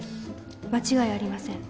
間違いありません